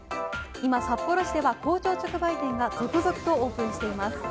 今、札幌市では工場直売店が続々とオープンしています。